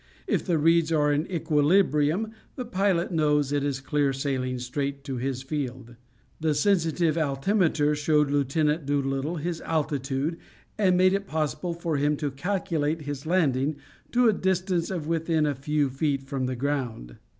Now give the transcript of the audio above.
If the reeds are in equilibrium the pilot knows it is clear sailing straight to his field. The sensitive altimeter showed Lieut. Doolittle his altitude and made it possible for him to calculate his landing to a distance of within a few feet from the ground.